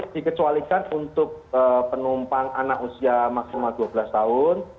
dikecualikan untuk penumpang anak usia maksimal dua belas tahun